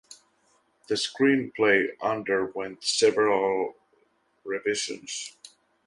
The screenplay underwent several revisions.